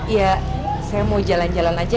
ya saya mau jalan jalan aja